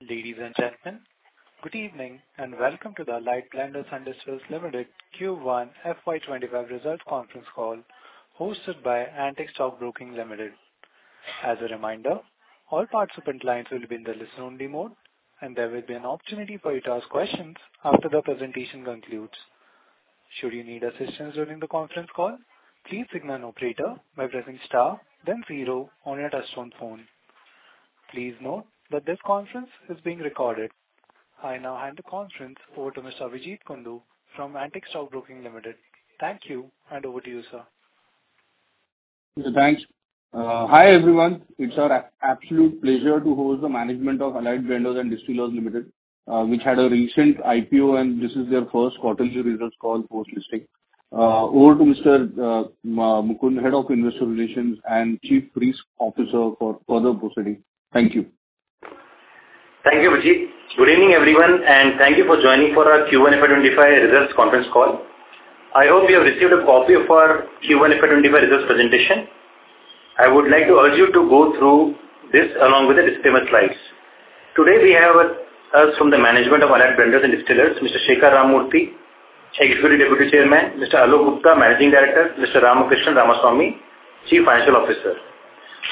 Ladies and gentlemen, good evening, and welcome to the Allied Blenders and Distillers Limited Q1 FY25 result conference call, hosted by Antique Stock Broking Limited. As a reminder, all participant lines will be in the listen-only mode, and there will be an opportunity for you to ask questions after the presentation concludes. Should you need assistance during the conference call, please signal an operator by pressing star then zero on your touchtone phone. Please note that this conference is being recorded. I now hand the conference over to Mr. Abhijeet Kundu from Antique Stock Broking Limited. Thank you, and over to you, sir. Thanks. Hi, everyone. It's our absolute pleasure to host the management of Allied Blenders and Distillers Limited, which had a recent IPO, and this is their first quarterly results call post-listing. Over to Mr. Mukund, Head of Investor Relations and Chief Risk Officer for further proceeding. Thank you. Thank you, Abhijit. Good evening, everyone, and thank you for joining for our Q1 FY25 results conference call. I hope you have received a copy of our Q1 FY25 results presentation. I would like to urge you to go through this along with the disclaimer slides. Today, we have with us from the management of Allied Blenders and Distillers, Mr. Shekhar Ramamurthy, Executive Deputy Chairman, Mr. Alok Gupta, Managing Director, Mr. Ramakrishnan Ramaswamy, Chief Financial Officer.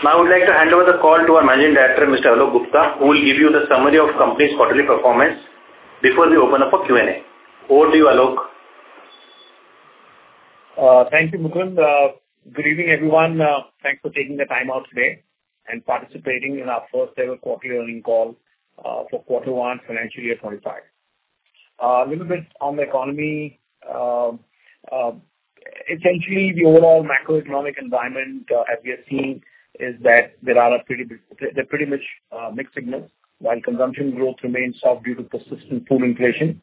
Now, I would like to hand over the call to our Managing Director, Mr. Alok Gupta, who will give you the summary of the company's quarterly performance before we open up for Q&A. Over to you, Alok. Thank you, Mukund. Good evening, everyone. Thanks for taking the time out today and participating in our first ever quarterly earnings call for quarter one, financial year 25. A little bit on the economy. Essentially, the overall macroeconomic environment, as we are seeing, is that they're pretty much mixed signals. While consumption growth remains soft due to persistent food inflation,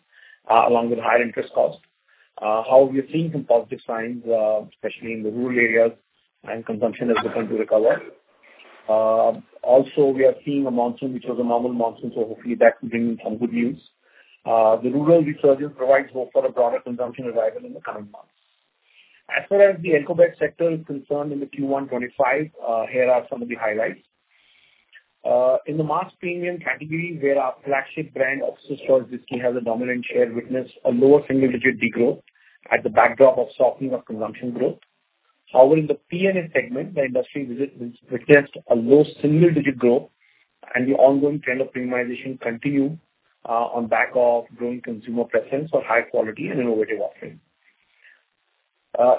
along with higher interest costs, now we are seeing some positive signs, especially in the rural areas and consumption has begun to recover. Also, we are seeing a monsoon, which was a normal monsoon, so hopefully that will bring in some good news. The rural resurgence provides hope for a broader consumption revival in the coming months. As far as the alcohol-based sector is concerned in the Q1 25, here are some of the highlights. In the mass premium category, where our flagship brand, Officer's Choice Whisky, has a dominant share, witnessed a lower single-digit decline at the backdrop of softening of consumption growth. However, in the P&A segment, the industry witnessed a low single-digit growth and the ongoing trend of premiumization continue, on back of growing consumer preference for high quality and innovative offering.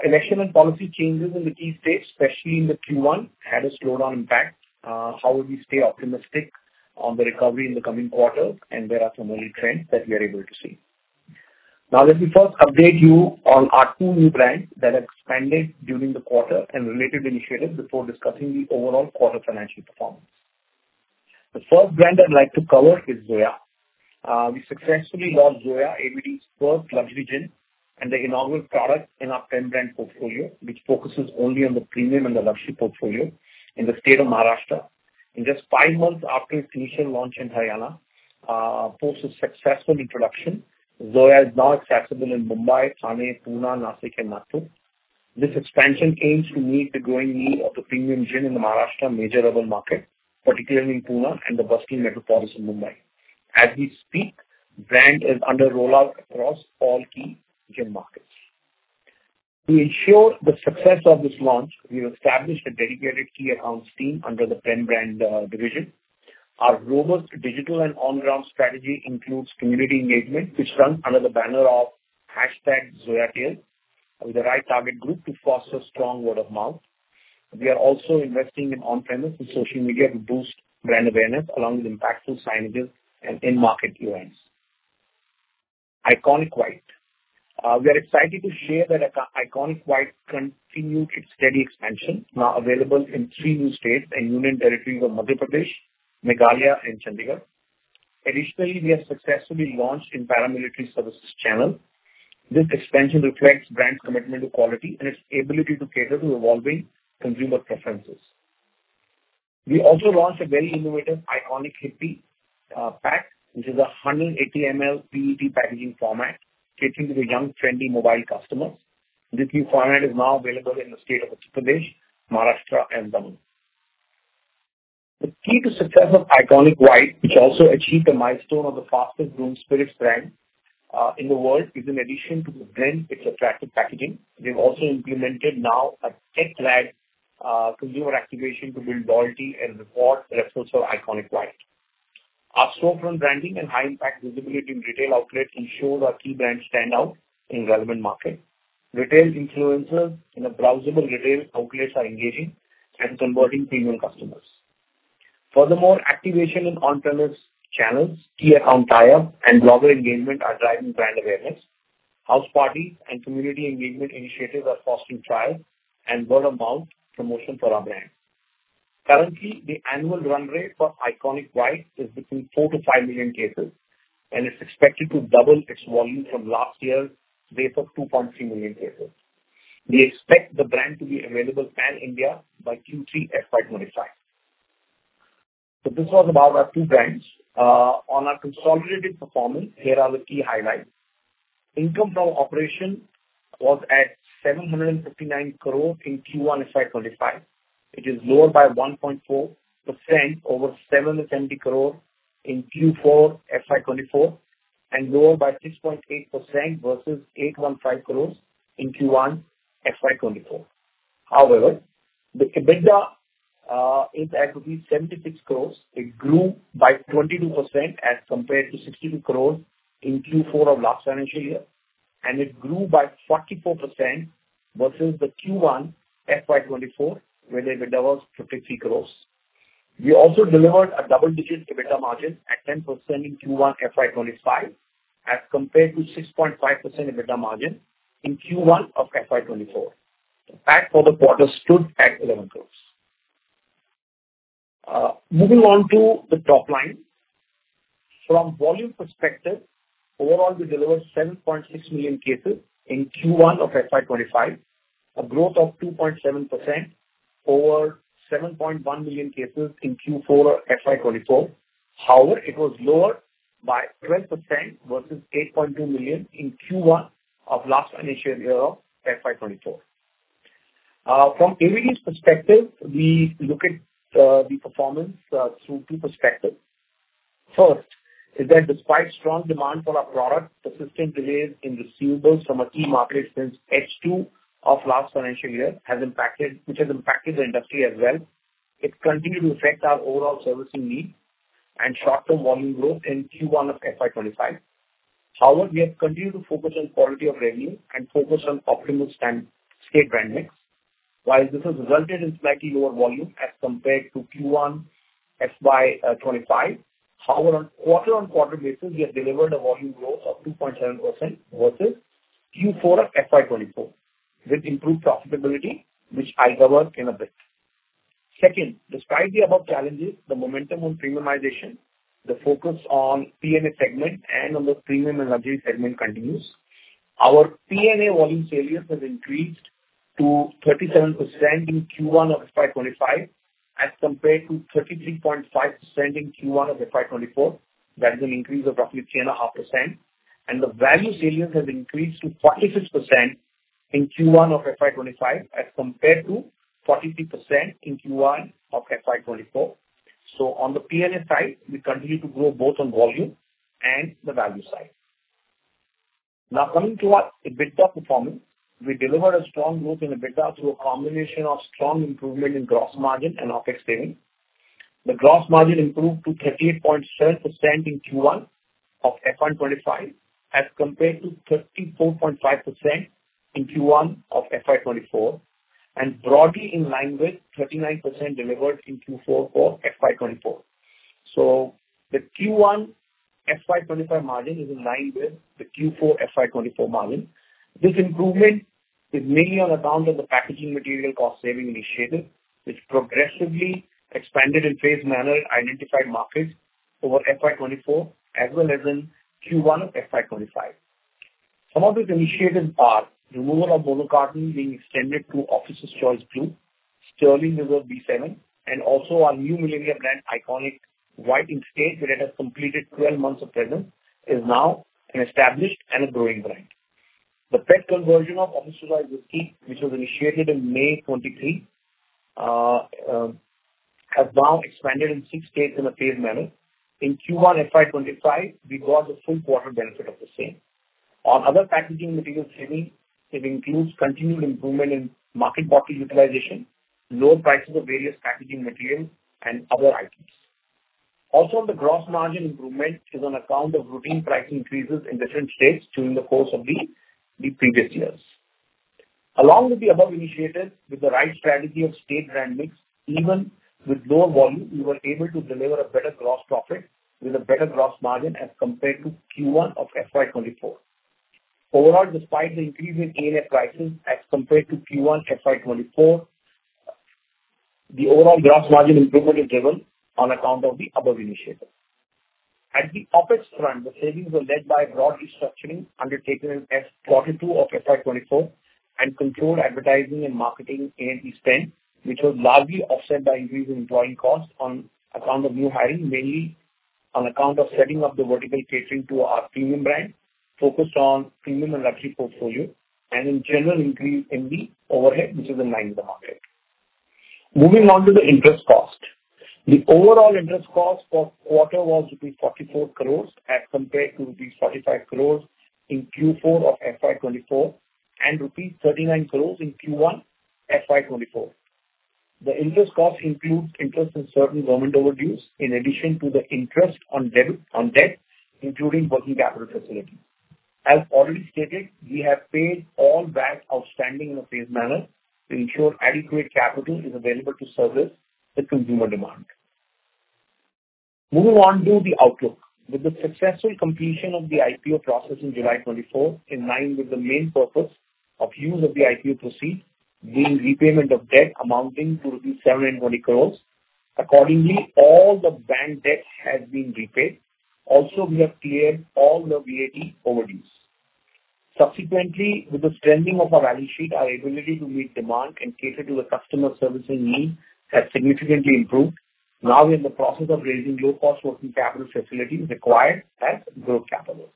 Election and policy changes in the key states, especially in the Q1, had a slowdown impact. However, we stay optimistic on the recovery in the coming quarters and there are some early trends that we are able to see. Now, let me first update you on our two new brands that expanded during the quarter and related initiatives before discussing the overall quarter financial performance. The first brand I'd like to cover is Zoya. We successfully launched Zoya, ABD's first luxury gin, and the inaugural product in our ten-brand portfolio, which focuses only on the premium and the luxury portfolio in the state of Maharashtra. In just five months after its initial launch in Haryana, post a successful introduction, Zoya is now accessible in Mumbai, Pune, Nashik, and Nagpur. This expansion aims to meet the growing need of the premium gin in the Maharashtra major urban market, particularly in Pune and the bustling metropolis in Mumbai. As we speak, brand is under rollout across all key gin markets. To ensure the success of this launch, we have established a dedicated key accounts team under the ten-brand division. Our robust digital and on-ground strategy includes community engagement, which runs under the banner of hashtag Zoya Tale, with the right target group to foster strong word-of-mouth. We are also investing in on-premise and social media to boost brand awareness along with impactful signages and in-market events. Iconic White. We are excited to share that Iconic White continued its steady expansion, now available in three new states and union territories of Madhya Pradesh, Meghalaya, and Chandigarh. Additionally, we have successfully launched in paramilitary services channel. This expansion reflects brand commitment to quality and its ability to cater to evolving consumer preferences. We also launched a very innovative Iconic Hippie pack, which is a 180 ml PET packaging format, catering to the young, trendy, mobile customers. This new format is now available in the state of Uttar Pradesh, Maharashtra, and Tamil Nadu. The key to success of Iconic White, which also achieved the milestone of the fastest growing spirits brand, in the world, is in addition to the brand, its attractive packaging. We've also implemented now a tech-led, consumer activation to build loyalty and reward references for Iconic White. Our storefront branding and high-impact visibility in retail outlets ensure our key brands stand out in relevant market. Retail influencers in a browsable retail outlets are engaging and converting premium customers. Furthermore, activation in on-premise channels, key account tie-up, and blogger engagement are driving brand awareness. House parties and community engagement initiatives are fostering trial and word-of-mouth promotion for our brand. Currently, the annual run rate for Iconic White is between 4 to 5 million cases, and it's expected to double its volume from last year's base of 2.3 million cases. We expect the brand to be available pan-India by Q3 FY 2025. So this was about our two brands. On our consolidated performance, here are the key highlights. Income from operation was at 759 crore in Q1 FY 2025, which is lower by 1.4% over 770 crore in Q4 FY 2024, and lower by 6.8% versus 815 crore in Q1 FY 2024. However, the EBITDA is at 76 crore. It grew by 22% as compared to 62 crore in Q4 of last financial year, and it grew by 44% versus the Q1 FY 2024, where the EBITDA was 53 crore. We also delivered a double-digit EBITDA margin at 10% in Q1 FY 2025, as compared to 6.5% EBITDA margin in Q1 of FY 2024. The PAT for the quarter stood at 11 crore. Moving on to the top line. From volume perspective, overall, we delivered 7.6 million cases in Q1 of FY 2025, a growth of 2.7% over 7.1 million cases in Q4 of FY 2024. However, it was lower by 12% versus 8.2 million in Q1 of last financial year of FY 2024. From ABD's perspective, we look at the performance through two perspectives. First, is that despite strong demand for our product, persistent delays in receivables from a key market since H2 of last financial year has impacted, which has impacted the industry as well. It continued to affect our overall servicing needs and short-term volume growth in Q1 of FY 2025. However, we have continued to focus on quality of revenue and focus on optimal stand state brand mix. While this has resulted in slightly lower volume as compared to Q1 FY 2025. However, on quarter-on-quarter basis, we have delivered a volume growth of 2.7% versus Q4 of FY 2024, with improved profitability, which I cover in a bit. Second, despite the above challenges, the momentum on premiumization, the focus on PNA segment and on the premium and luxury segment continues. Our P&A volume sales has increased to 37% in Q1 of FY 2025 as compared to 33.5% in Q1 of FY 2024. That is an increase of roughly 3.5%. And the value sales has increased to 46% in Q1 of FY 2025 as compared to 43% in Q1 of FY 2024. So on the P&A side, we continue to grow both on volume and the value side. Now, coming to our EBITDA performance. We delivered a strong growth in EBITDA through a combination of strong improvement in gross margin and OpEx savings. The gross margin improved to 38.7% in Q1 of FY 2025, as compared to 34.5% in Q1 of FY 2024, and broadly in line with 39% delivered in Q4 of FY 2024. So the Q1 FY 2025 margin is in line with the Q4 FY 2024 margin. This improvement is mainly on account of the packaging material cost saving initiative, which progressively expanded in phased manner, identified markets over FY 2024 as well as in Q1 of FY 2025. Some of these initiatives are removal of Mono Carton being extended to Officer's Choice Blue, Sterling Reserve B7, and also our new millennia brand, Iconic White in state, where it has completed 12 months of presence, is now an established and a growing brand. The PET conversion of Officer's Choice Whiskey, which was initiated in May 2023, has now expanded in 6 states in a phased manner. In Q1 FY25, we got the full quarter benefit of the same. On other packaging material savings, it includes continued improvement in market bottle utilization, low prices of various packaging materials, and other items. Also, on the gross margin improvement is on account of routine price increases in different states during the course of the previous years. Along with the above initiatives, with the right strategy of state brand mix, even with lower volume, we were able to deliver a better gross profit with a better gross margin as compared to Q1 of FY 2024. Overall, despite the increase in ENA pricing as compared to Q1 FY 2024, the overall gross margin improvement is driven on account of the above initiatives. At the OpEx front, the savings were led by broad restructuring undertaken in Q2 of FY 2024 and controlled advertising and marketing A&P spend, which was largely offset by increase in employee costs on account of new hiring, mainly on account of setting up the vertical catering to our premium brand, focused on premium and luxury portfolio, and in general, increase in the overhead, which is in line with the market. Moving on to the interest cost. The overall interest cost for quarter was 44 crores as compared to 45 crores in Q4 of FY 2024, and rupees 39 crores in Q1 FY 2024. The interest cost includes interest in certain government overdues, in addition to the interest on deb- on debt, including working capital facility. As already stated, we have paid all that outstanding in a phased manner to ensure adequate capital is available to service the consumer demand. Moving on to the outlook. With the successful completion of the IPO process in July 2024, in line with the main purpose of use of the IPO proceeds, being repayment of debt amounting to rupees 720 crores. Accordingly, all the bank debt has been repaid. Also, we have cleared all the VAT overdues. Subsequently, with the strengthening of our balance sheet, our ability to meet demand and cater to the customer servicing needs has significantly improved. Now we are in the process of raising low-cost working capital facilities required as growth capital.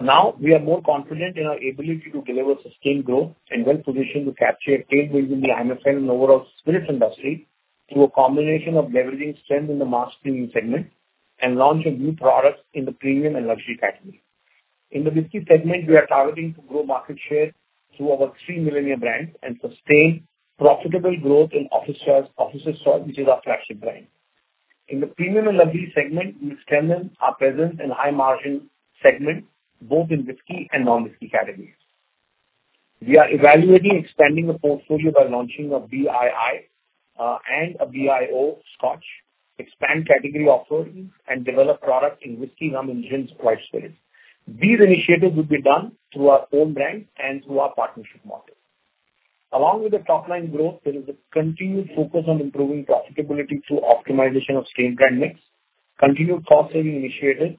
Now, we are more confident in our ability to deliver sustained growth and well-positioned to capture a tailwind in the IMFL and overall spirits industry through a combination of leveraging strength in the mass premium segment, and launch of new products in the premium and luxury category. In the whisky segment, we are targeting to grow market share through our three millennial brands and sustain profitable growth in Officer's, Officer's Choice, which is our flagship brand. In the premium and luxury segment, we strengthen our presence in high-margin segment, both in whisky and non-whisky categories. We are evaluating expanding the portfolio by launching a BII, and a BIO Scotch, expand category offerings, and develop products in whiskey, rum, and gin, white spirits. These initiatives will be done through our own brand and through our partnership model. Along with the top line growth, there is a continued focus on improving profitability through optimization of scale brand mix, continued cost-saving initiatives,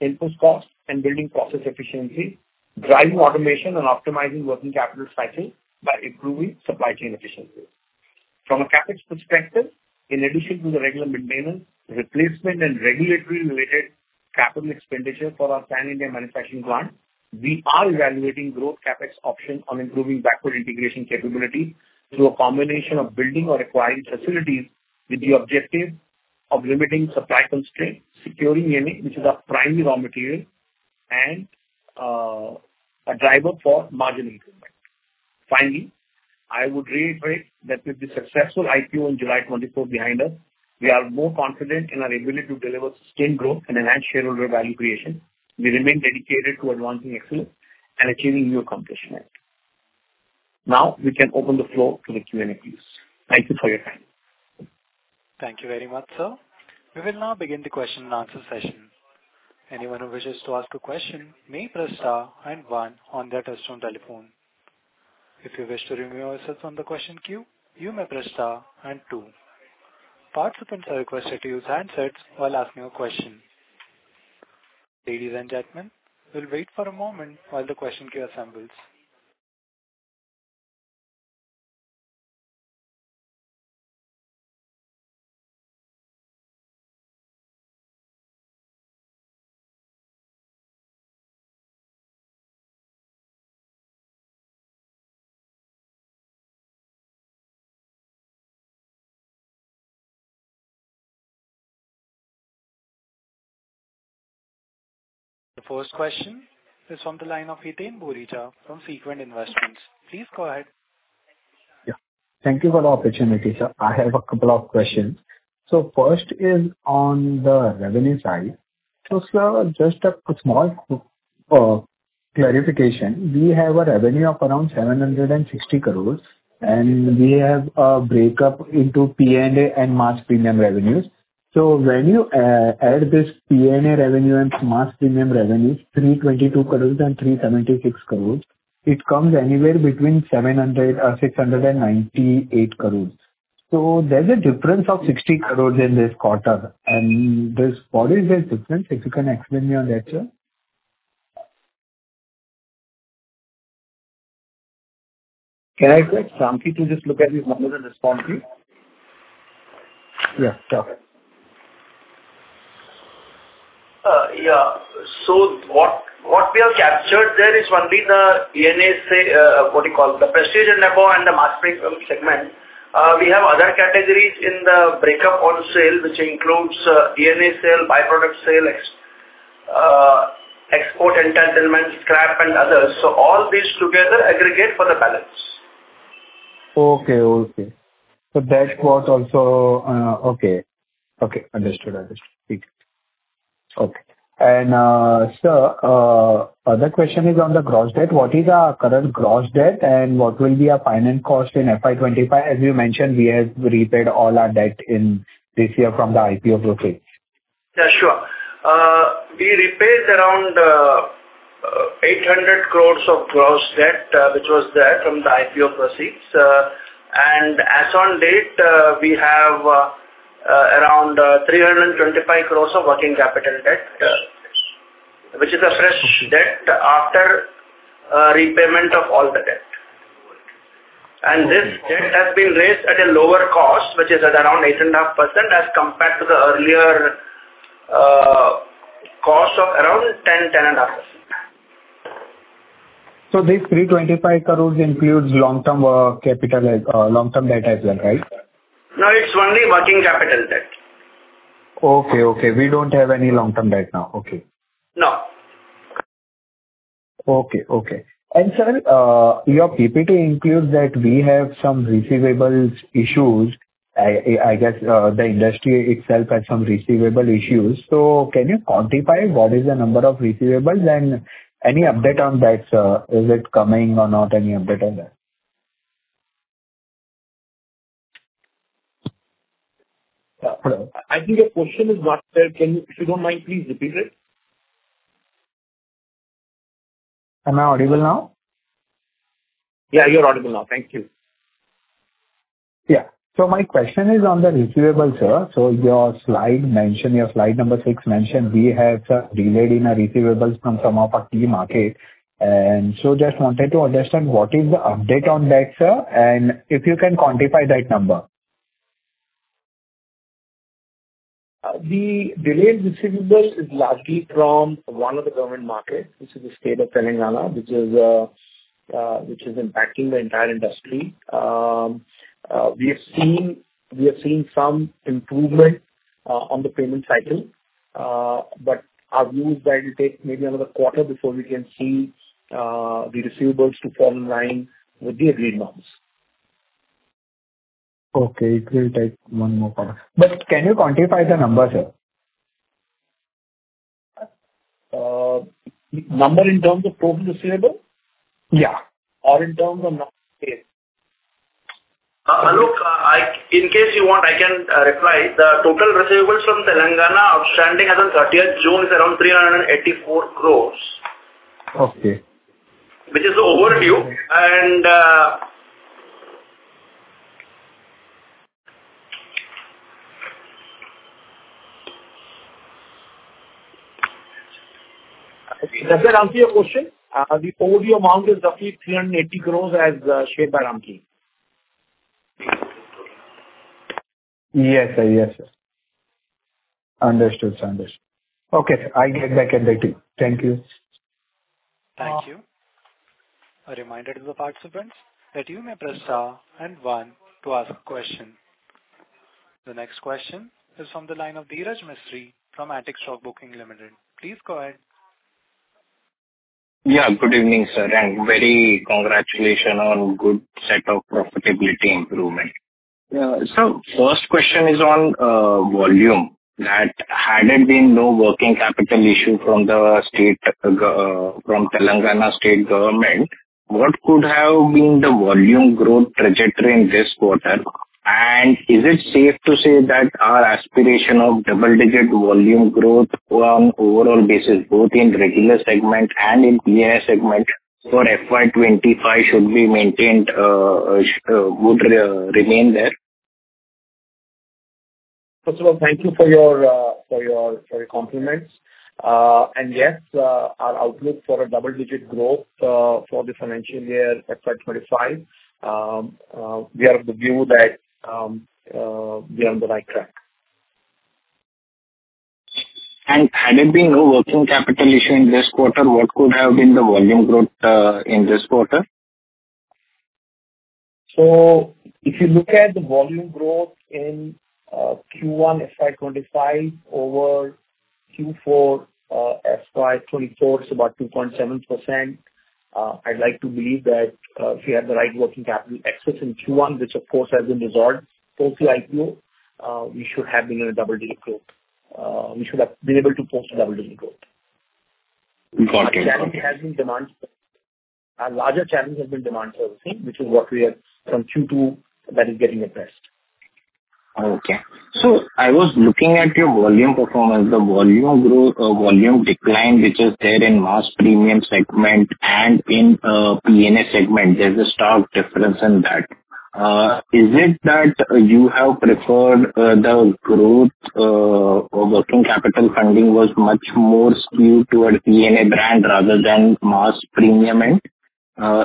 input costs, and building process efficiently, driving automation and optimizing working capital cycles by improving supply chain efficiency. From a CapEx perspective, in addition to the regular maintenance, replacement, and regulatory-related capital expenditure for our pan-India manufacturing plant, we are evaluating growth CapEx options on improving backward integration capability through a combination of building or acquiring facilities with the objective of limiting supply constraints, securing ENA, which is our primary raw material, and a driver for margin improvement. Finally, I would reiterate that with the successful IPO on July 24th behind us, we are more confident in our ability to deliver sustained growth and enhance shareholder value creation. We remain dedicated to advancing excellence and achieving new accomplishment. Now, we can open the floor to the Q&As. Thank you for your time. Thank you very much, sir. We will now begin the question and answer session. Anyone who wishes to ask a question may press star and one on their touch-tone telephone. If you wish to remove yourself from the question queue, you may press star and two. Participants are requested to use handsets while asking a question. Ladies and gentlemen, we'll wait for a moment while the question queue assembles. The first question is on the line of Hiten Boricha from Frequent Investments. Please go ahead. Yeah. Thank you for the opportunity, sir. I have a couple of questions. So first is on the revenue side. So sir, just a small clarification. We have a revenue of around 760 crores, and we have a breakup into PNA and mass premium revenues. So when you add this PNA revenue and mass premium revenues, INR 322 crores and INR 376 crores, it comes anywhere between INR 700 or INR 698 crores. So there's a difference of INR 60 crores in this quarter, and this, what is the difference? If you can explain me on that, sir. Can I get Ramki to just look at these numbers and respond, please? Yeah, sure. Yeah. So what we have captured there is only the ENA, say, what you call the Prestige and Above and the Mass Premium segment. We have other categories in the break-up of sales, which includes, ENA sale, by-product sale, export entitlement, scrap, and others. So all these together aggregate for the balance. Okay. Okay. So that was also. Okay. Okay, understood. Understood. Thank you. Okay. And, sir, other question is on the gross debt. What is our current gross debt, and what will be our finance cost in FY 25? As you mentioned, we have repaid all our debt in this year from the IPO proceeds. Yeah, sure. We repaid around 800 crore of gross debt, which was there from the IPO proceeds. And as on date, we have around 325 crore of working capital debt, which is a fresh debt after repayment of all the debt. Okay. This debt has been raised at a lower cost, which is at around 8.5%, as compared to the earlier cost of around 10% to 10.5%. So this 325 crore includes long-term capital, long-term debt as well, right? No, it's only working capital debt. Okay, okay. We don't have any long-term debt now. Okay. No. Okay, okay. And sir, your PPT includes that we have some receivables issues. I guess, the industry itself has some receivable issues. So can you quantify what is the number of receivables, and any update on that, sir? Is it coming or not, any update on that? I think your question is not there. Can you, if you don't mind, please repeat it. Am I audible now? Yeah, you're audible now. Thank you. Yeah. So my question is on the receivables, sir. So your slide mention, your slide number 6 mention, we have delayed in our receivables from some of our key market. And so just wanted to understand what is the update on that, sir, and if you can quantify that number? ... The delayed receivables is largely from one of the government markets, which is the state of Telangana, which is impacting the entire industry. We have seen some improvement on the payment cycle. But our view is that it will take maybe another quarter before we can see the receivables to fall in line with the agreed norms. Okay, it will take one more quarter. But can you quantify the number, sir? Number in terms of total receivable? Yeah. Or in terms of number paid? Alok, in case you want, I can reply. The total receivables from Telangana outstanding as of 30th June is around INR 384 crores. Okay. Which is overdue. Does that answer your question? The overdue amount is roughly 380 crore, as shared by Ramakrishnan. Yes, sir. Yes, sir. Understood. Understood. Okay, I'll get back to the team. Thank you. Thank you. A reminder to the participants that you may press star and one to ask a question. The next question is from the line of Dheeraj Mistry from Antique Stock Broking Limited. Please go ahead. Yeah. Good evening, sir, and very congratulations on good set of profitability improvement. So first question is on volume, that had it been no working capital issue from the state govt from Telangana state government, what could have been the volume growth trajectory in this quarter? And is it safe to say that our aspiration of double-digit volume growth on overall basis, both in regular segment and in P&A segment for FY 2025 should be maintained, would remain there? First of all, thank you for your, for your, for your compliments. And yes, our outlook for double-digit growth for the financial year FY25, we are of the view that, we are on the right track. Had it been no working capital issue in this quarter, what could have been the volume growth in this quarter? So if you look at the volume growth in Q1 FY25 over Q4 FY24, it's about 2.7%. I'd like to believe that if we had the right working capital excess in Q1, which of course has been resolved post IPO, we should have been in a double-digit growth. We should have been able to post a double-digit growth. Got it. A larger challenge has been demand servicing, which is what we are from Q2, that is getting addressed. Okay. So I was looking at your volume performance. The volume decline, which is there in mass premium segment and in P&A segment, there's a stark difference in that. Is it that you have preferred the growth, or working capital funding was much more skewed towards PNA brand rather than mass premium end?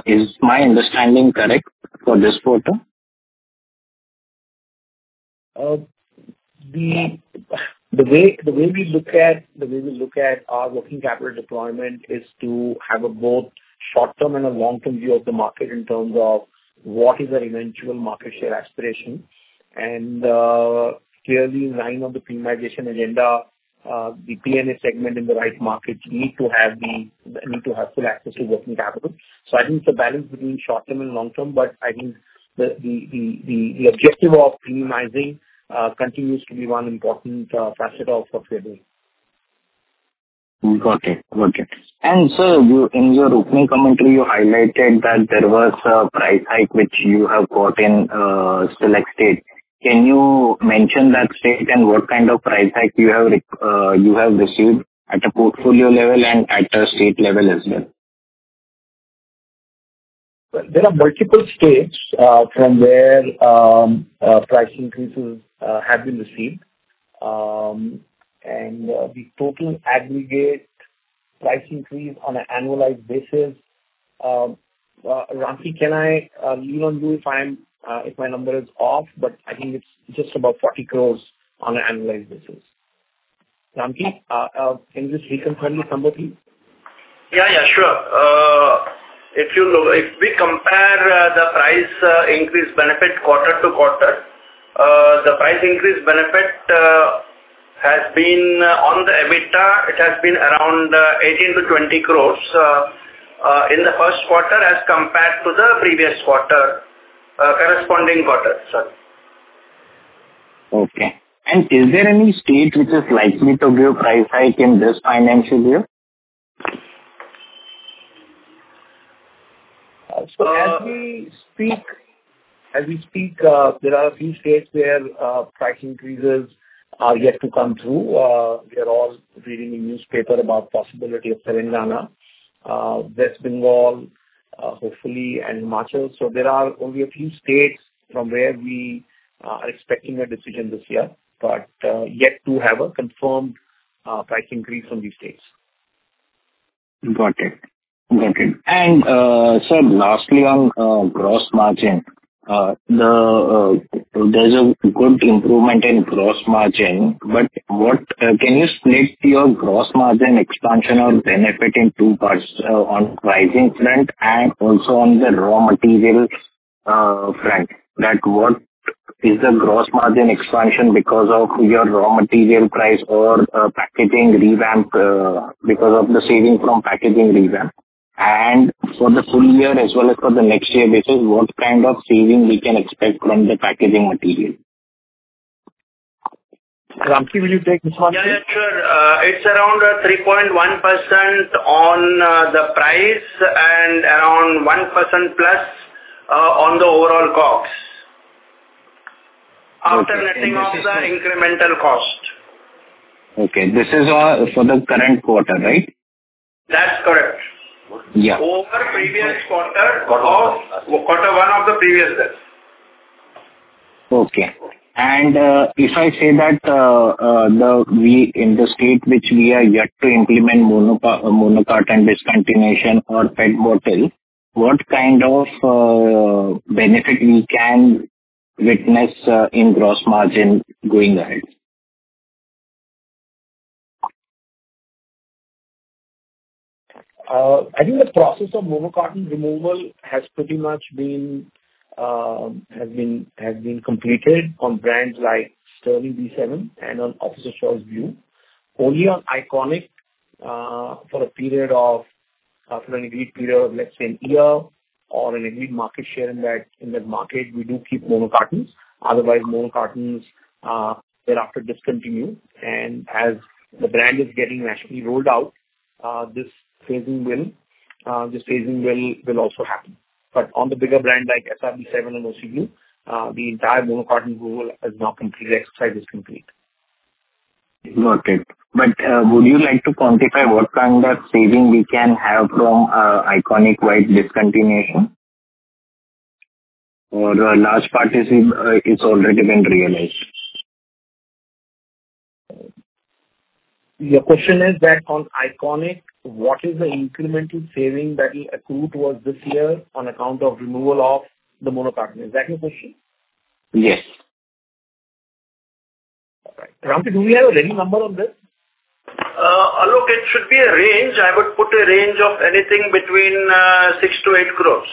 Is my understanding correct for this quarter? The way we look at our working capital deployment is to have both short-term and long-term view of the market in terms of what is our eventual market share aspiration. And clearly in line of the premiumization agenda, the P&A segment in the right markets need to have full access to working capital. So I think it's a balance between short-term and long-term, but I think the objective of premiumizing continues to be one important facet of what we are doing. Got it. Got it. And sir, you, in your opening commentary, you highlighted that there was a price hike which you have got in, select states. Can you mention that state and what kind of price hike you have received at a portfolio level and at a state level as well? Well, there are multiple states from where price increases have been received. And, the total aggregate price increase on an annualized basis, Ramky, can I lean on you if I'm if my number is off? But I think it's just about 40 crore on an annualized basis. Ramky, can you just reconfirm this number, please? Yeah, yeah, sure. If we compare the price increase benefit quarter-over-quarter, the price increase benefit has been on the EBITDA; it has been around 18 to 20 crore in the first quarter as compared to the previous quarter, corresponding quarter, sir. Okay. And is there any state which is likely to give price hike in this financial year? So as we speak, as we speak, there are a few states where price increases are yet to come through. We are all reading the newspaper about possibility of Telangana, West Bengal, hopefully, and Maharashtra. So there are only a few states from where we are expecting a decision this year, but yet to have a confirmed price increase from these states.... Got it. Got it. And, so lastly on, gross margin, the, there's a good improvement in gross margin, but what, can you split your gross margin expansion or benefit in two parts, on pricing front and also on the raw materials, front? That what is the gross margin expansion because of your raw material price or, packaging revamp, because of the saving from packaging revamp. And for the full year as well as for the next year, this is what kind of saving we can expect from the packaging material. Ramki, will you take this one? Yeah, yeah, sure. It's around a 3.1% on the price and around 1% plus on the overall costs. Okay. After netting off the incremental cost. Okay, this is for the current quarter, right? That's correct. Yeah. Over previous quarter or quarter one of the previous year. Okay. If I say that the states in which we are yet to implement mono carton discontinuation or PET bottle, what kind of benefit we can witness in gross margin going ahead? I think the process of mono carton removal has pretty much been completed on brands like Sterling B7 and on Officer's Choice Blue. Only on Iconic, for an agreed period of, let's say, a year or an agreed market share in that market, we do keep mono cartons. Otherwise, mono cartons thereafter discontinued. And as the brand is getting nationally rolled out, this phasing will also happen. But on the bigger brands, like SRB7 and OC Blue, the entire mono carton removal is now complete. Exercise is complete. Got it. But, would you like to quantify what kind of saving we can have from Iconic White discontinuation? Or a large part is already been realized. Your question is that on Iconic, what is the incremental saving that will accrue towards this year on account of removal of the mono carton? Is that your question? Yes. Right. Ramki, do we have any number on this? Alok, it should be a range. I would put a range of anything between 6 crore-8 crore.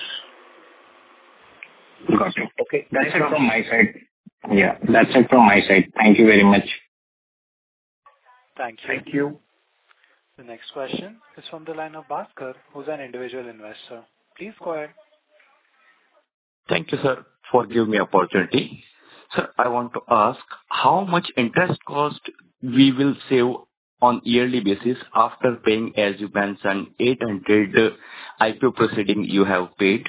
Got it. Okay, that's it from my side. Yeah, that's it from my side. Thank you very much. Thank you. Thank you. The next question is from the line of Bhaskar, who's an individual investor. Please go ahead. Thank you, sir, for giving me opportunity. Sir, I want to ask, how much interest cost we will save on yearly basis after paying, as you mentioned, 800 IPO proceeds you have paid?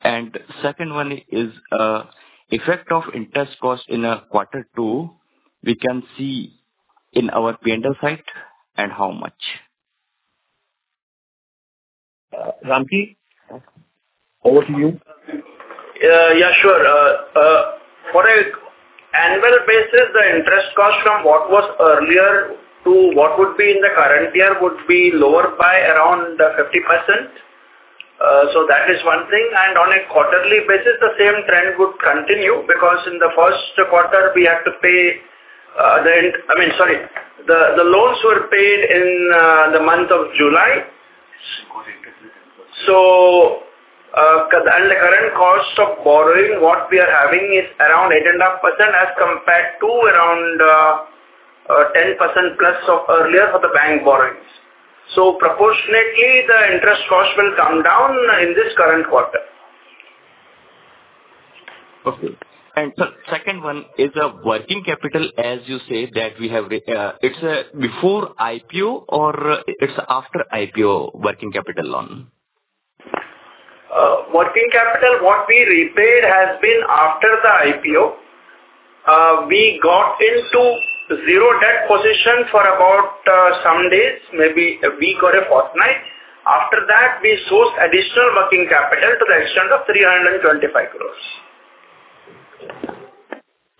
And second one is, effect of interest cost in quarter two, we can see in our P&L side, and how much? Ramki, over to you. Yeah, sure. For an annual basis, the interest cost from what was earlier to what would be in the current year would be lower by around 50%. So that is one thing. And on a quarterly basis, the same trend would continue, because in the first quarter, we have to pay the... I mean, sorry, the loans were paid in the month of July. So, and the current cost of borrowing, what we are having is around 8.5%, as compared to around 10% plus of earlier for the bank borrowings. So proportionately, the interest cost will come down in this current quarter. Okay. And sir, second one is a working capital, as you say, that we have, it's, before IPO or it's after IPO working capital loan? Working capital, what we repaid has been after the IPO. We got into zero debt position for about, some days, maybe a week or a fortnight. After that, we sourced additional working capital to the extent of 325 crore.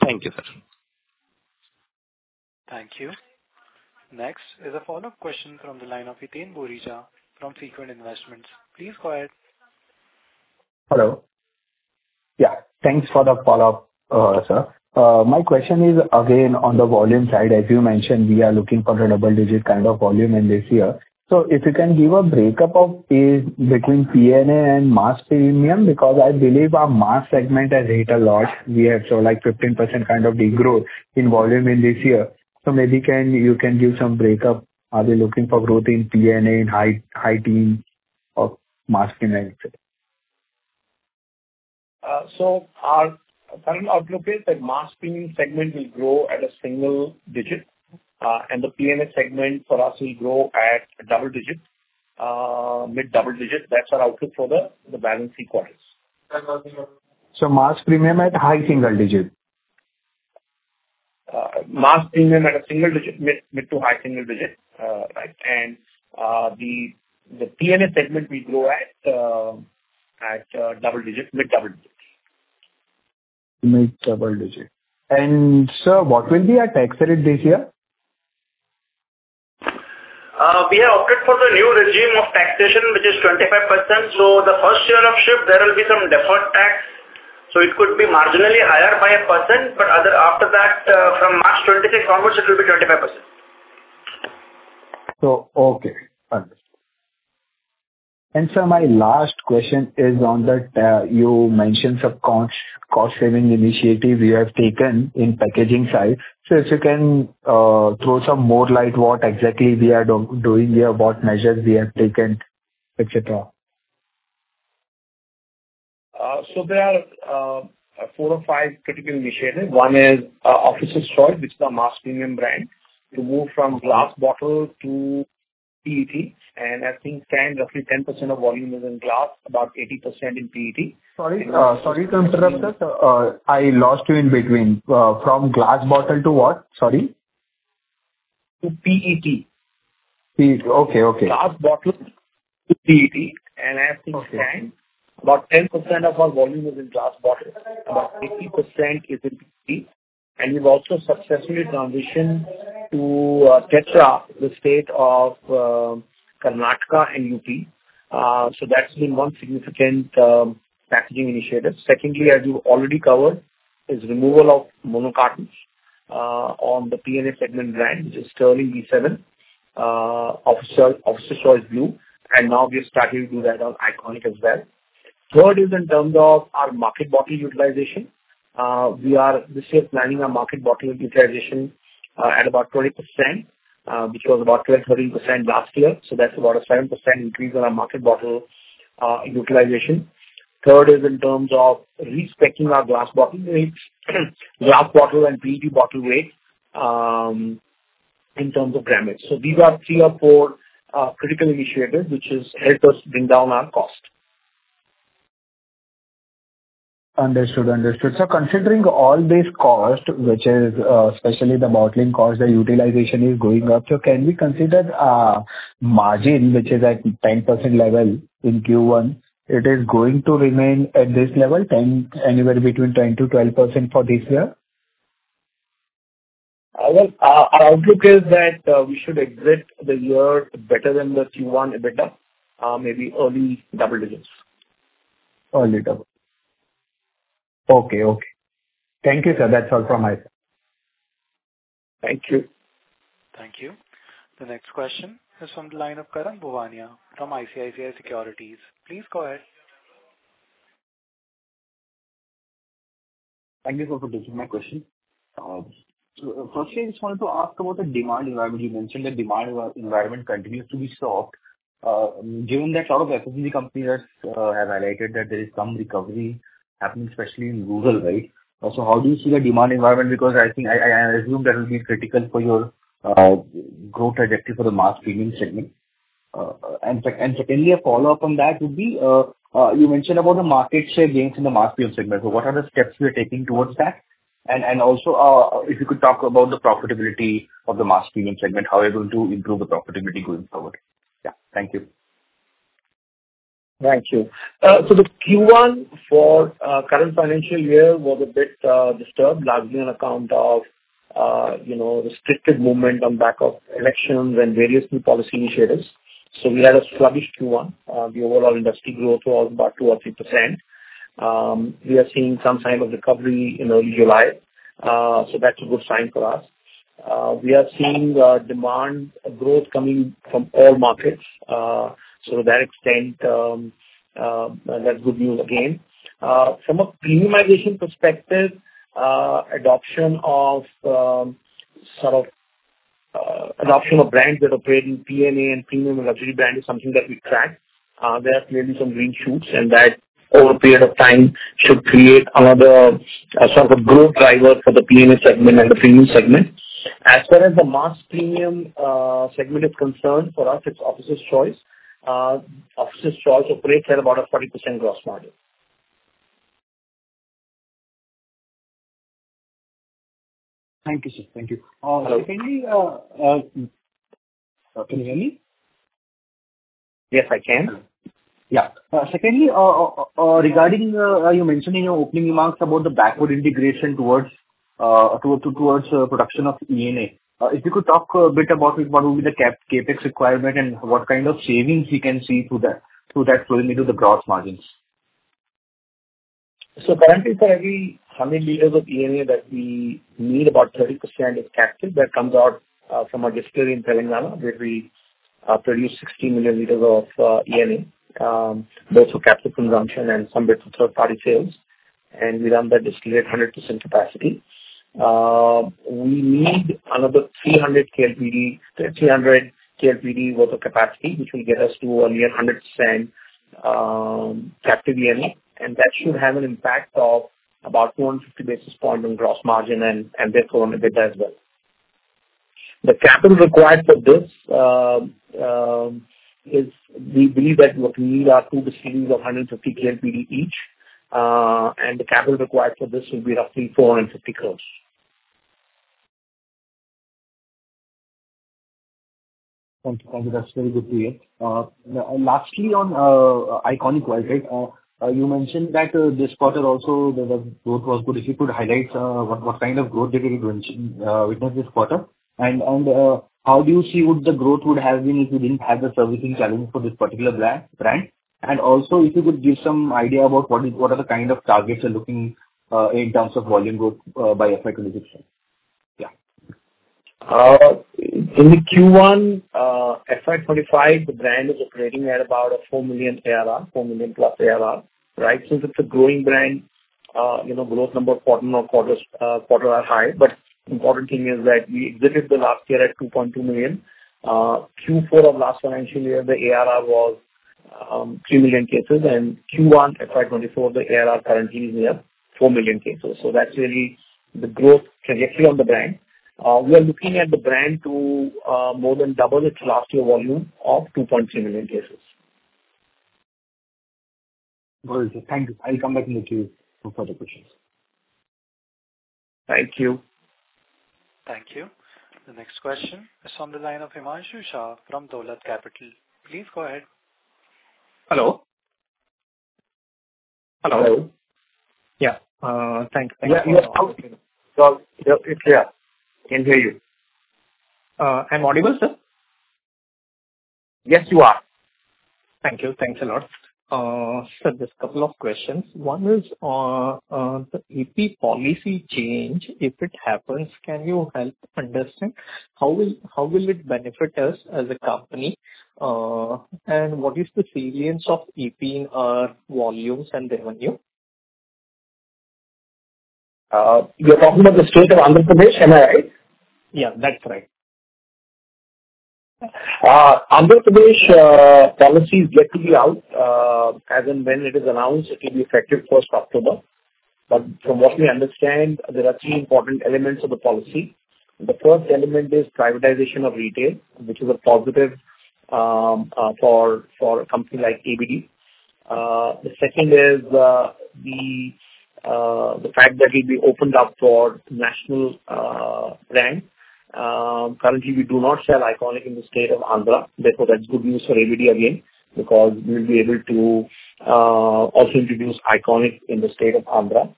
Thank you, sir. Thank you. Next is a follow-up question from the line of Hiten Borija from Frequent Investments. Please go ahead. Hello. Yeah, thanks for the follow-up, sir. My question is again on the volume side. As you mentioned, we are looking for a double-digit kind of volume in this year. So if you can give a breakup between P&A and Mass Premium, because I believe our Mass segment has hit a lot. We have so like 15% kind of degrowth in volume in this year. So maybe you can give some breakup. Are we looking for growth in P&A in high teens or Mass Premium? Our current outlook is that Mass Premium segment will grow at a single digit, and the PNA segment for us will grow at double digit, mid-double digit. That's our outlook for the balance quarters. Mass Premium at high single-digit? Mass Premium at a single digit, mid to high single digit, right. And, the PNA segment will grow at double digit, mid-double digit. ...to make double digit. And sir, what will be our tax rate this year? We have opted for the new regime of taxation, which is 25%. So the first year of shift, there will be some deferred tax, so it could be marginally higher by 1%, but other, after that, from March 23rd onwards, it will be 25%. Okay. Understood. Sir, my last question is on that. You mentioned some cost, cost saving initiatives you have taken in packaging side. So if you can throw some more light what exactly we are doing here, what measures we have taken, et cetera. There are four or five critical initiatives. One is Officer's Choice, which is our mass premium brand, to move from glass bottle to PET. I think, roughly 10% of volume is in glass, about 80% in PET. Sorry, sorry to interrupt you, I lost you in between. From glass bottle to what? Sorry. To PET. PET. Okay, okay. Glass bottle to PET, and I think about 10% of our volume is in glass bottle, about 80% is in PET. And we've also successfully transitioned to Tetra in the state of Karnataka and UP. So that's been one significant packaging initiative. Secondly, as you already covered, is removal of mono cartons on the PNA segment brand, which is Sterling B7, Officer, Officer's Choice Blue, and now we are starting to do that on Iconic as well. Third is in terms of our market bottle utilization. We are this year planning our market bottle utilization at about 20%, which was about 12 to 13% last year, so that's about a 7% increase on our market bottle utilization. Third is in terms of respecting our glass bottle rate, glass bottle and PET bottle rate, in terms of grammage. So these are three or four critical initiatives, which has helped us bring down our cost. Understood, understood. So considering all these costs, which is, especially the bottling cost, the utilization is going up. So can we consider, margin, which is at 10% level in Q1, it is going to remain at this level, 10% anywhere between 10% to 12% for this year? Well, our outlook is that we should exit the year better than the Q1 EBITDA, maybe early double digits. Early double. Okay, okay. Thank you, sir. That's all from my side. Thank you. Thank you. The next question is from the line of Karan Bhuwania from ICICI Securities. Please go ahead. Thank you for taking my question. So firstly, I just wanted to ask about the demand environment. You mentioned the demand environment continues to be soft. Given that lot of FMCG companies have highlighted that there is some recovery happening, especially in rural, right? Also, how do you see the demand environment? Because I think I assume that will be critical for your growth trajectory for the mass premium segment. And secondly, a follow-up on that would be you mentioned about the market share gains in the mass premium segment. So what are the steps you are taking towards that? And also, if you could talk about the profitability of the mass premium segment, how are you going to improve the profitability going forward? Yeah. Thank you. Thank you. So the Q1 for current financial year was a bit disturbed, largely on account of you know, restricted movement on back of elections and various new policy initiatives. So we had a sluggish Q1. The overall industry growth was about 2% to 3%. We are seeing some sign of recovery in early July, so that's a good sign for us. We are seeing demand growth coming from all markets. So to that extent, that's good news again. From a premiumization perspective, adoption of sort of adoption of brands that operate in PNA and premium and luxury brand is something that we track. There are clearly some green shoots, and that over a period of time should create another, sort of growth driver for the P&A segment and the premium segment. As far as the mass premium, segment is concerned, for us, it's Officer's Choice. Officer's Choice operates at about a 40% gross margin. Thank you, sir. Thank you. Hello. Secondly, can you hear me? Yes, I can. Yeah. Secondly, regarding, you mentioned in your opening remarks about the backward integration towards, to, towards production of ENA. If you could talk a bit about it, what would be the CapEx requirement and what kind of savings you can see through that, through that flowing into the gross margins? So currently, for every 100 liters of ENA that we need, about 30% is captive. That comes out from our distillery in Telangana, where we produce 60 million liters of ENA, both for captive consumption and some bit for third-party sales, and we run that distillery at 100% capacity. We need another 300 KLPD, 300 KLPD worth of capacity, which will get us to a near 100%, captive ENA, and that should have an impact of about 150 basis points on gross margin and, and therefore, on EBITDA as well. The capital required for this is we believe that what we need are two distilleries of 150 KLPD each, and the capital required for this will be roughly 450 crores. ... Thank you. Thank you. That's very good to hear. Lastly, on Iconic wise, right, you mentioned that this quarter also the growth was good. If you could highlight what kind of growth they will going to witness this quarter? And how do you see would the growth would have been if you didn't have the servicing challenge for this particular brand? And also, if you could give some idea about what are the kind of targets you're looking in terms of volume growth by FY 2026? Yeah. In the Q1, FY 2025, the brand is operating at about a 4 million ARR, 4 million plus ARR, right? Since it's a growing brand, you know, growth number quarter-on-quarter, quarter are high. But important thing is that we exited the last year at 2.2 million. Q4 of last financial year, the ARR was, three million cases, and Q1 FY 2024, the ARR currently is near 4 million cases. So that's really the growth trajectory on the brand. We are looking at the brand to, more than double its last year volume of 2.2 million cases. Thank you. I'll come back in the queue for further questions. Thank you. Thank you. The next question is on the line of Himanshu Shah from Dolat Capital. Please go ahead. Hello? Hello. Hello. Yeah, thanks. Yeah, yeah. It's clear. I can hear you. I'm audible, sir? Yes, you are. Thank you. Thanks a lot. So just couple of questions. One is, the AP policy change, if it happens, can you help understand how will it benefit us as a company? And what is the variance of AP in our volumes and revenue? You're talking about the state of Andhra Pradesh, am I right? Yeah, that's right. Andhra Pradesh, policy is yet to be out. As and when it is announced, it will be effective first October. But from what we understand, there are three important elements of the policy. The first element is privatization of retail, which is a positive, for a company like ABD. The second is, the fact that it will be opened up for national brand. Currently, we do not sell Iconic in the state of Andhra, therefore, that's good news for ABD again, because we'll be able to, also introduce Iconic in the state of Andhra.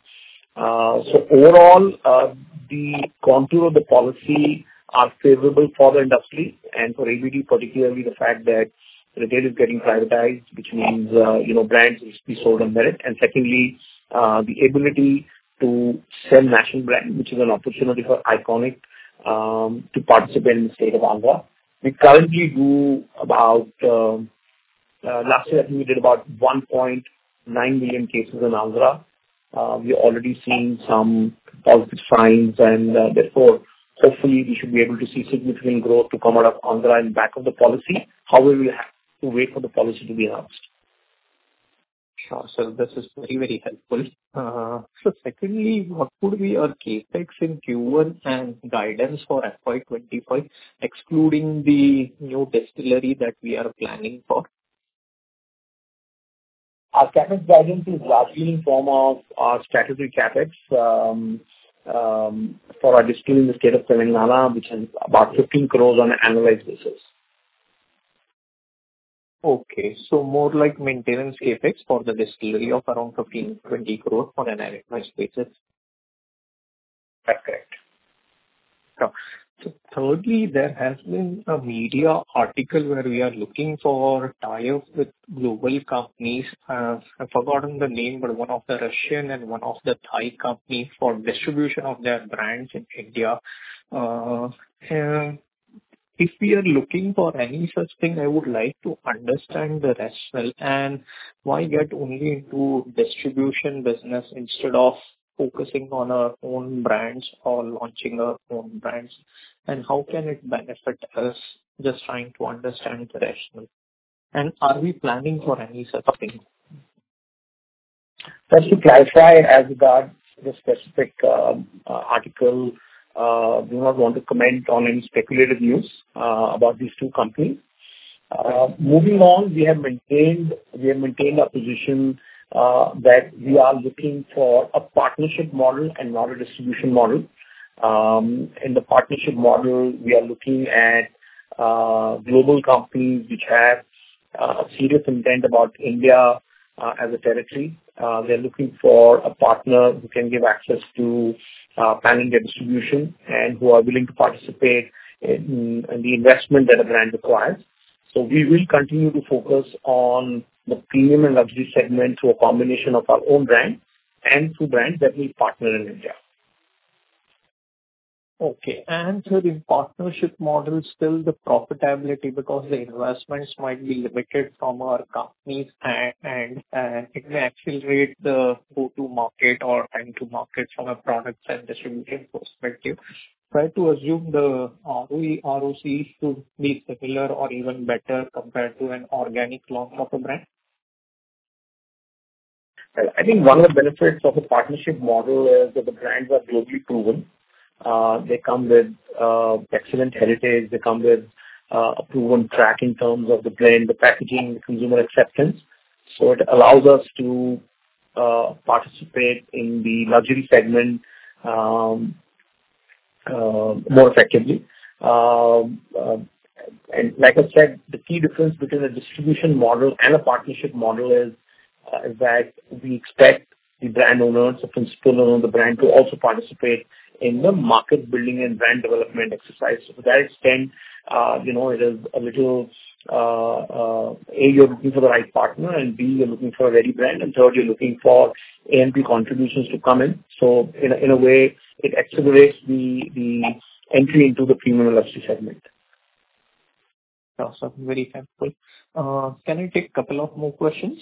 So overall, the contour of the policy are favorable for the industry and for ABD, particularly the fact that retail is getting privatized, which means, you know, brands will just be sold on merit. And secondly, the ability to sell national brand, which is an opportunity for Iconic, to participate in the state of Andhra. We currently do about, last year I think we did about 1.9 million cases in Andhra. We're already seeing some positive signs and, therefore, hopefully we should be able to see significant growth to come out of Andhra in back of the policy. However, we have to wait for the policy to be announced. Sure, sir. This is very, very helpful. So secondly, what would be our CapEx in Q1 and guidance for FY 25, excluding the new distillery that we are planning for? Our CapEx guidance is largely in form of our strategic CapEx, for our distillery in the state of Telangana, which is about 15 crores on an annualized basis. Okay. So more like maintenance CapEx for the distillery of around 15 crore-20 crore on an annualized basis? That's correct. So thirdly, there has been a media article where we are looking for tie-ups with global companies. I've forgotten the name, but one of the Russian and one of the Thai companies for distribution of their brands in India. And if we are looking for any such thing, I would like to understand the rationale and why get only into distribution business instead of focusing on our own brands or launching our own brands, and how can it benefit us? Just trying to understand the rationale. Are we planning for any such thing? Just to clarify, as regards the specific article, I do not want to comment on any speculative news about these two companies. Moving on, we have maintained, we have maintained our position that we are looking for a partnership model and not a distribution model. In the partnership model, we are looking at global companies which have serious intent about India as a territory. We are looking for a partner who can give access to pan-India distribution and who are willing to participate in the investment that a brand requires. So we will continue to focus on the premium and luxury segment through a combination of our own brand and through brands that we partner in India. Okay. And so in partnership models, still the profitability, because the investments might be limited from our companies and it may accelerate the go-to market or time to market from a product and distribution perspective. Try to assume the ROE, ROC to be similar or even better compared to an organic launch of a brand. I think one of the benefits of a partnership model is that the brands are globally proven. They come with excellent heritage. They come with a proven track in terms of the brand, the packaging, consumer acceptance. So it allows us to participate in the luxury segment more effectively. And like I said, the key difference between a distribution model and a partnership model is that we expect the brand owners, the principal owner of the brand, to also participate in the market building and brand development exercise. So that is when you know, it is a little A, you're looking for the right partner, and B, you're looking for a ready brand, and third, you're looking for AMP contributions to come in. So in a way, it accelerates the entry into the premium luxury segment. Awesome. Very helpful. Can I take a couple of more questions?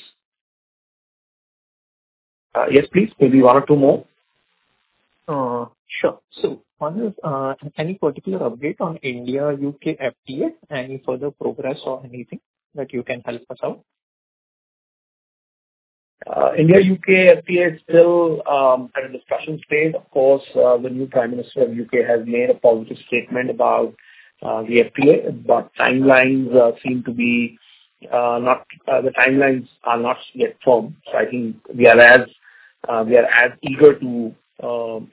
Yes, please. Maybe one or two more. Sure. So one is, any particular update on India UK FTA? Any further progress or anything that you can help us out? India-UK FTA is still in a discussion stage. Of course, the new Prime Minister of UK has made a positive statement about the FTA, but timelines seem to be not. The timelines are not yet formed. So I think we are as eager to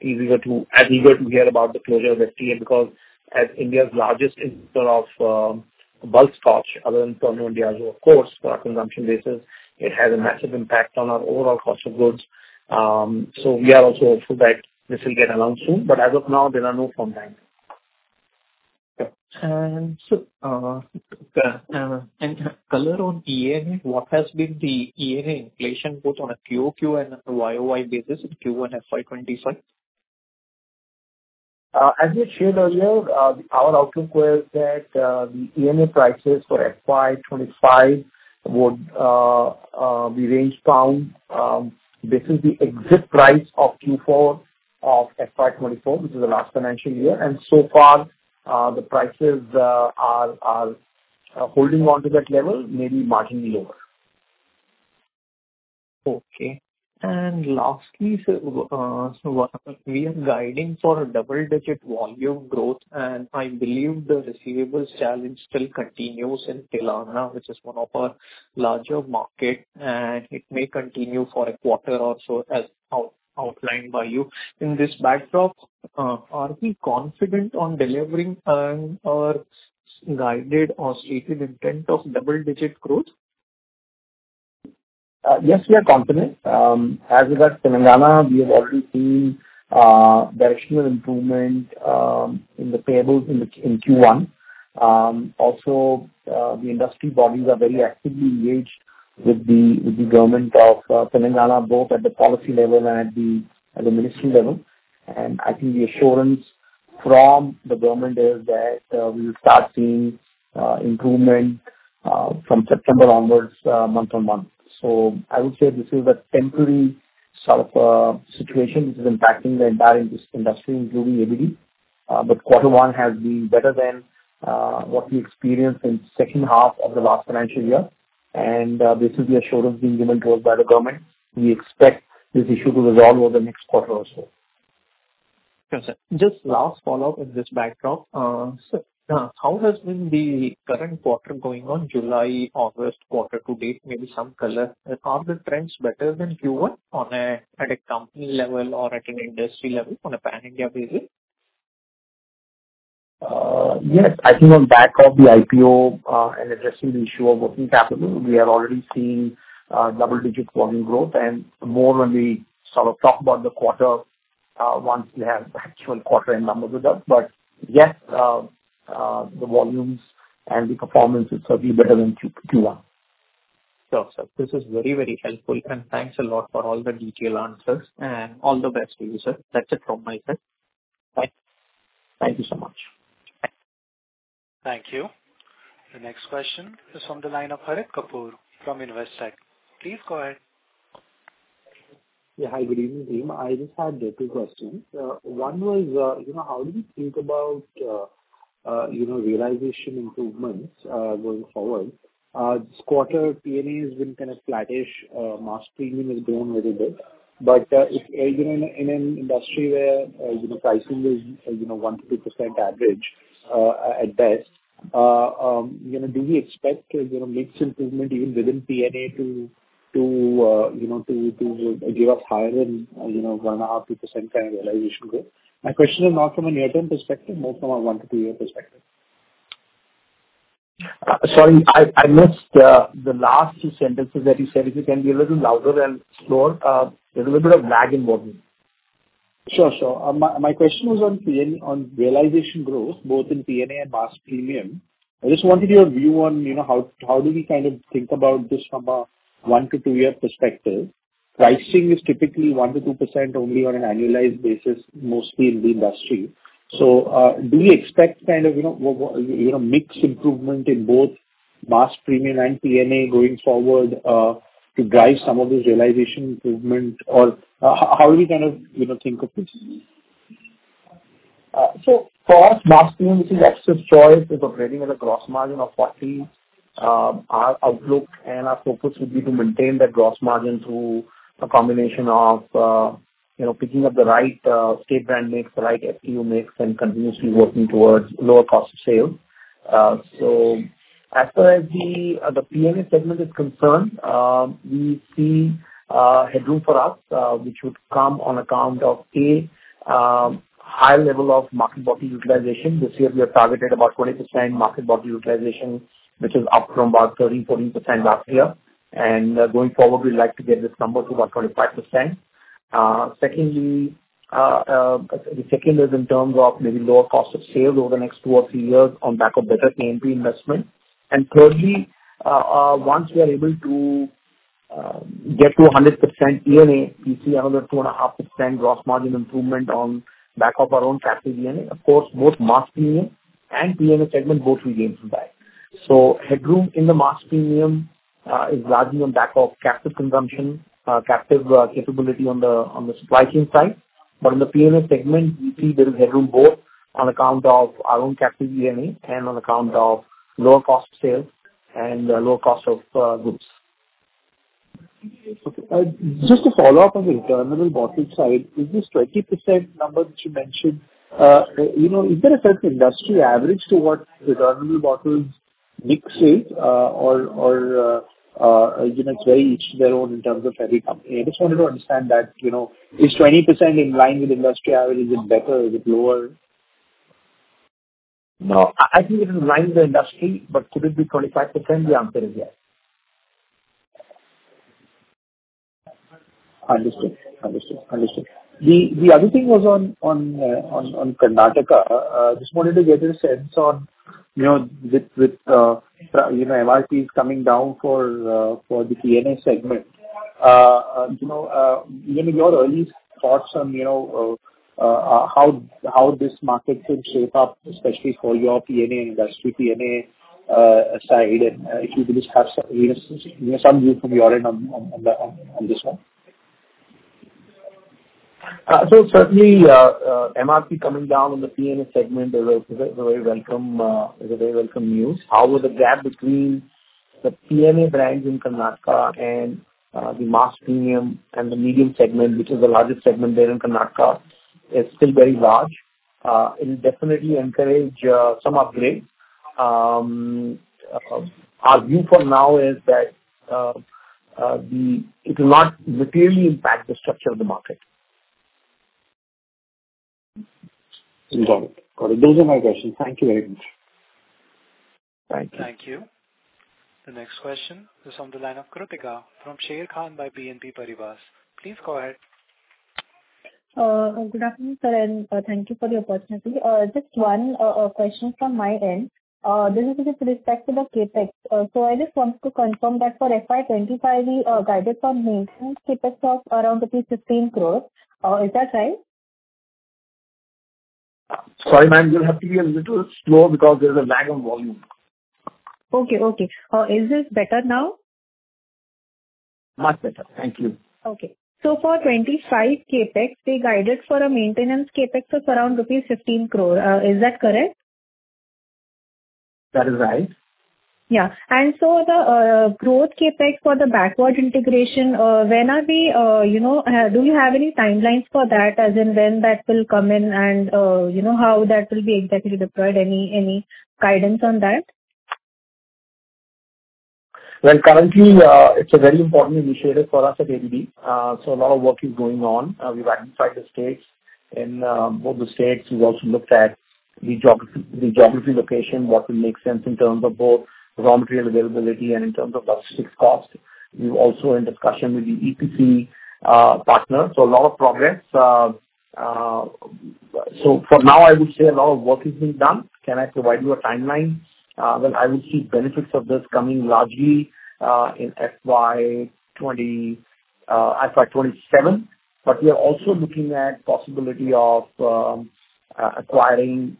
hear about the closure of FTA because as India's largest importer of bulk scotch, other than Diageo, of course, for our consumption basis, it has a massive impact on our overall cost of goods. So we are also hopeful that this will get announced soon, but as of now, there are no firm times. Yep. And so, and color on ENA, what has been the ENA inflation both on a QOQ and a YOY basis in Q1 FY25? As we shared earlier, our outlook was that the ENA prices for FY 2025 would be range bound. This is the exit price of Q4 of FY 2024, which is the last financial year. And so far, the prices are holding on to that level, maybe marginally lower. Okay. And lastly, sir, so we are guiding for a double-digit volume growth, and I believe the receivables challenge still continues in Telangana, which is one of our larger market, and it may continue for a quarter or so, as outlined by you. In this backdrop, are we confident on delivering our guided or stated intent of double-digit growth? Yes, we are confident. As regards Telangana, we have already seen directional improvement in the payables in Q1. Also, the industry bodies are very actively engaged with the government of Telangana, both at the policy level and at the ministry level. I think the assurance from the government is that we will start seeing improvement from September onwards, month on month. So I would say this is a temporary sort of situation which is impacting the entire industry, including ABD. But quarter one has been better than what we experienced in the second half of the last financial year, and this is the assurance being given to us by the government. We expect this issue to resolve over the next quarter or so. Just last follow-up in this backdrop. So, how has been the current quarter going on July, August, quarter to date? Maybe some color. Are the trends better than Q1 on a, at a company level or at an industry level on a pan-India basis? Yes, I think on back of the IPO, and addressing the issue of working capital, we have already seen, double-digit volume growth and more when we sort of talk about the quarter, once we have the actual quarter end numbers with us. But yes, the volumes and the performance is certainly better than Q1. Sure, sir. This is very, very helpful, and thanks a lot for all the detailed answers, and all the best to you, sir. That's it from my side. Bye. Thank you so much. Thank you. The next question is on the line of Harit Kapoor from Investec. Please go ahead. Yeah. Hi, good evening to you. I just had two questions. One was, you know, how do you think about, you know, realization improvements going forward? This quarter TNA has been kind of flattish. Mass Premium has grown a little bit, but, if, you know, in an industry where, you know, pricing is, you know, 1% to 2% average, at best, you know, do we expect, you know, mix improvement even within TNA to give us higher than, you know, 1% or 2% kind of realization growth? My question is not from a near-term perspective, more from a one to two year perspective. Sorry, I missed the last two sentences that you said. If you can be a little louder and slower, there's a little bit of lag involved in. Sure, sure. My question was on PN, on realization growth, both in TNA and mass premium. I just wanted your view on, you know, how do we kind of think about this from a 1 to 2 year perspective? Pricing is typically 1% to 2% only on an annualized basis, mostly in the industry. So, do we expect kind of, you know, mixed improvement in both mass premium and TNA going forward, to drive some of this realization improvement? Or how do we kind of, you know, think of this? So for us, mass premium is Officer's Choice, is operating at a gross margin of 40%. Our outlook and our focus would be to maintain that gross margin through a combination of, you know, picking up the right, state brand mix, the right FPU mix, and continuously working towards lower cost of sale. So as far as the, the PNA segment is concerned, we see, headroom for us, which would come on account of, A, high level of market bottle utilization. This year, we have targeted about 20% market bottle utilization, which is up from about 13% to 14% last year. And, going forward, we'd like to get this number to about 25%. Secondly, the second is in terms of maybe lower cost of sales over the next two or three years on back of better P&P investment. And thirdly, once we are able to get to 100% PNA, we see another 2.5% gross margin improvement on back of our own captive ENA. Of course, both mass premium and PNA segment both will gain from that. So headroom in the mass premium is largely on back of captive consumption, captive capability on the supply chain side. But in the PNA segment, we see there is headroom both on account of our own captive ENA and on account of lower cost sales and lower cost of goods. Okay. Just to follow up on the returnable bottle side, is this 20% number that you mentioned, you know, is there a certain industry average to what returnable bottles mix it, or, or, you know, it's very each their own in terms of every company? I just wanted to understand that, you know, is 20% in line with industry average? Is it better? Is it lower? No. I think it is in line with the industry, but could it be 25%? The answer is yes. Understood. Understood, understood. The other thing was on Karnataka. Just wanted to get a sense on, you know, with, you know, MRPs coming down for the PNA segment. You know, given your early thoughts on, you know, how this market could shape up, especially for your P&A industry, P&A side, and if you could just have some, you know, some view from your end on this one. So certainly, MRP coming down on the PNA segment is a very welcome news. However, the gap between the P&A brands in Karnataka and the mass premium and the medium segment, which is the largest segment there in Karnataka, is still very large. It'll definitely encourage some upgrade. Our view for now is that it will not materially impact the structure of the market. Got it. Those are my questions. Thank you very much. Thank you. Thank you. The next question is on the line of Kritika from Sharekhan by BNP Paribas. Please go ahead. Good afternoon, sir, and thank you for the opportunity. Just one question from my end. This is with respect to the CapEx. So I just want to confirm that for FY 25, we guided for maintenance CapEx of around INR 15 crore. Is that right? Sorry, ma'am, you'll have to be a little slower because there's a lag in volume. Okay. Okay. Is this better now? Much better. Thank you. Okay. So for 25 CapEx, we guided for a maintenance CapEx of around rupees 15 crore. Is that correct? That is right. Yeah. And so the growth CapEx for the backward integration, when are we, you know, do you have any timelines for that? As in, when that will come in and, you know, how that will be exactly deployed. Any, any guidance on that? Well, currently, it's a very important initiative for us at ABD. So a lot of work is going on. We've identified the states, and both the states, we've also looked at the geography, the geography location, what will make sense in terms of both raw material availability and in terms of logistics cost. We're also in discussion with the EPC partner, so a lot of progress. So for now, I would say a lot of work is being done. Can I provide you a timeline? Well, I will see benefits of this coming largely in FY 2027. But we are also looking at possibility of acquiring,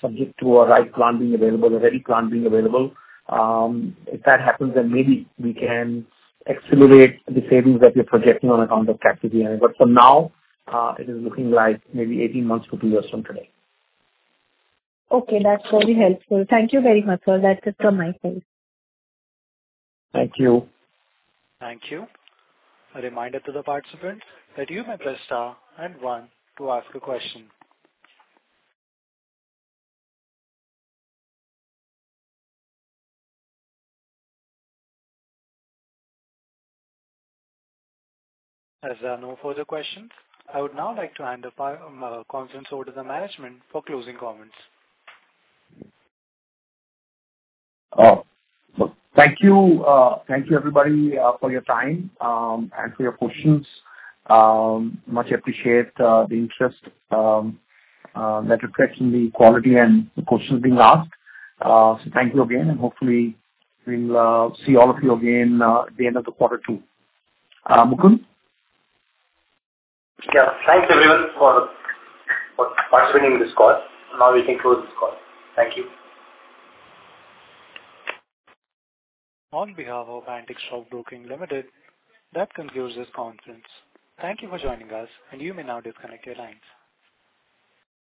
subject to a right plant being available, a ready plant being available. If that happens, then maybe we can accelerate the savings that we're projecting on account of captive PNA. But for now, it is looking like maybe 18 months to 2 years from today. Okay, that's very helpful. Thank you very much, sir. That's it from my side. Thank you. Thank you. A reminder to the participants that you may press star and one to ask a question. As there are no further questions, I would now like to hand the conference over to the management for closing comments. So thank you, thank you, everybody, for your time, and for your questions. Much appreciate the interest that reflects in the quality and the questions being asked. So thank you again, and hopefully we'll see all of you again, at the end of the quarter two. Mukund? Yeah. Thanks, everyone, for participating in this call. Now we can close this call. Thank you. On behalf of Antique Stock Broking Limited, that concludes this conference. Thank you for joining us, and you may now disconnect your lines.